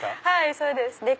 はいそうです。